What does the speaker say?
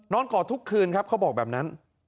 ก่อทุกคืนครับเขาบอกแบบนั้น